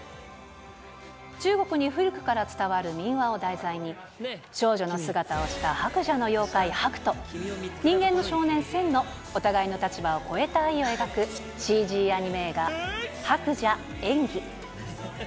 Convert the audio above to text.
中国に古くから伝わる民話を題材に、少女の姿をした白蛇の妖怪、白と、人間の少年、宣のお互いの立場を超えた愛を描く、ＣＧアニメ映画、白蛇・縁起。